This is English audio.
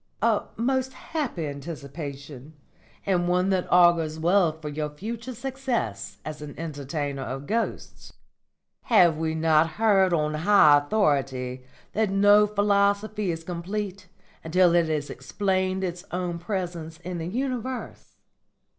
"A most happy anticipation, and one that augurs well for your future success as an entertainer of ghosts. Have we not heard on high authority that no philosophy is complete until it has explained its own presence in the universe?